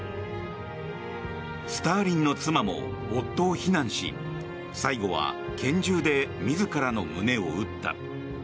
スターリンの妻も夫を非難し最後は拳銃で自らの胸を撃った。